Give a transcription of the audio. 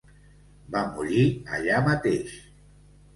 Va morir allà mateix.